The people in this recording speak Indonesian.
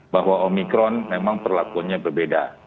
bahwa omikron memang perlakuannya berbeda